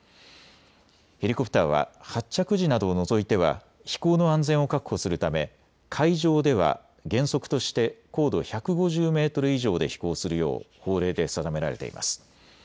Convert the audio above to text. ヘリコプターは発着時などを除いては飛行の安全を確保するため、海上では原則として高度１５０メートル以上で飛行するよう法令で定められています。